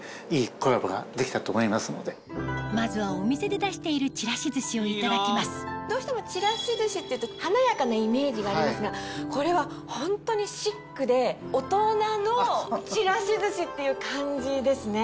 まずはお店で出しているちらし寿司をいただきますどうしてもちらし寿司っていうと華やかなイメージがありますがこれはホントにシックで大人のちらし寿司っていう感じですね。